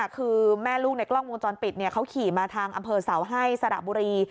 คือแม่ลูกในกล้องวงจรปิดเขาขี่มาทางอำเภอเสาให้สระบุรี